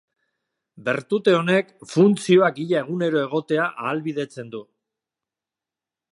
Bertute honek, funtzioak ia egunero egotea ahalbidetzen du.